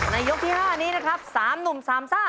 ยกที่๕นี้นะครับ๓หนุ่มสามซ่า